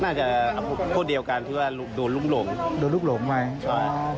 น่าจะพวกเดียวกันเพื่อโดนลุกหลงโดนลุกหลงไว้ใช่อ๋อ